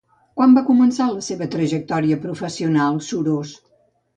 Quan va començar la seva trajectòria professional Surós?